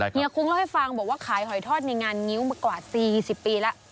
เฮีคุ้งเล่าให้ฟังบอกว่าขายหอยทอดในงานงิ้วมากว่า๔๐ปีแล้ว